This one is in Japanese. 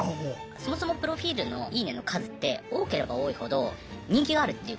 そもそもプロフィールの「いいね」の数って多ければ多いほど人気があるっていうことじゃないすか。